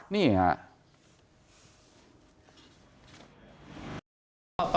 นี่ฮะ